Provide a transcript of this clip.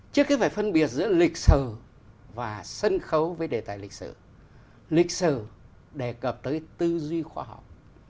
trước khi phải phân biệt giữa lịch sử và sân khấu với đề tài lịch sử lịch sử đề cập tới tư duy khoa học